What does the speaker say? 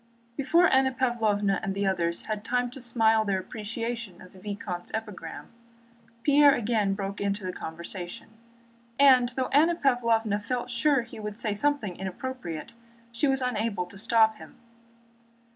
Before Anna Pávlovna and the others had time to smile their appreciation of the vicomte's epigram, Pierre again broke into the conversation, and though Anna Pávlovna felt sure he would say something inappropriate, she was unable to stop him.